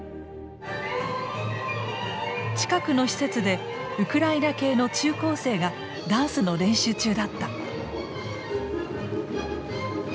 近くの施設でウクライナ系の中高生がダンスの練習中だった。